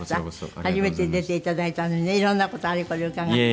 初めて出ていただいたのにねいろんな事あれこれ伺って。